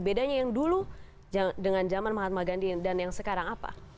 bedanya yang dulu dengan zaman mahatma gandhi dan yang sekarang apa